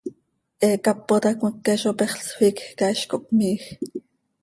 He cápota cmeque zo pexl, sficj cah, hiz cohpmiij.